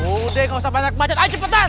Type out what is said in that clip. udah nggak usah banyak baca ayo cepetan